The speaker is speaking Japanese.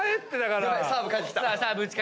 サーブ返ってきた。